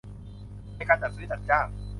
ในการจัดซื้อจัดจ้าง